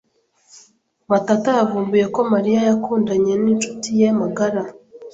Matata yavumbuye ko Mariya yakundanye n'incuti ye magara.